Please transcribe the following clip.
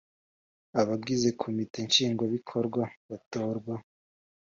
Abagize Komite Nshingwabikorwa batorwa